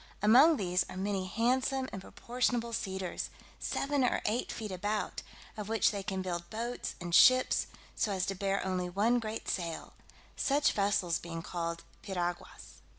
Among these are many handsome and proportionable cedars, seven or eight feet about, of which they can build boats and ships, so as to bear only one great sail; such vessels being called piraguas.